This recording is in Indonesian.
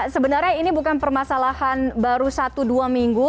sebenarnya ini bukan permasalahan baru satu dua minggu